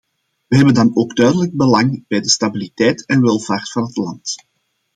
We hebben dan ook duidelijk belang bij de stabiliteit en welvaart van het land.